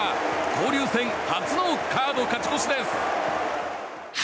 交流戦初のカード勝ち越しです。